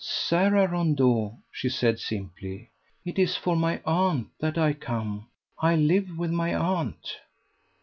"Sara Rondeau," she said simply; "it is for my aunt that I come. I live with my aunt."